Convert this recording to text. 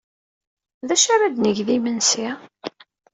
D acu ara d-neg d imensi?